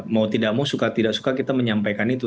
mau tidak mau suka tidak suka kita menyampaikan itu